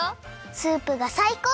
スープがさいこう！